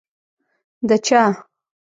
د چا؟